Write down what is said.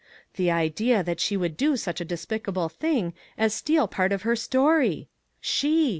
The idea that she would do such a despicable thing as steal part of her story! She!